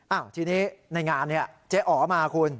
ทีนี้ในงานเนี่ยเจ๊อ๋อมาคุณ